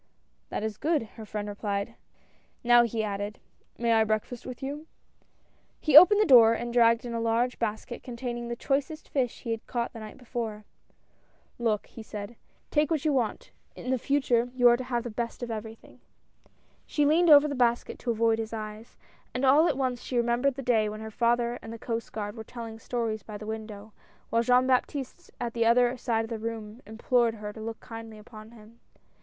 "That is good!" her friend replied, "now," he added, " may I breakfast with you? " He opened the door, and dragged in a large basket containing the choicest fish he had caught the night before. " Look," he said, " take what you want — in future you are to have the best of everything." She leaned over the basket to avoid his eyes, and all AT LAST. 203 at once she remembered the day when her father and the Coast Guard were telling stories by the window, while Jean Baptiste at the other side of the room implored her to look kindly upon him.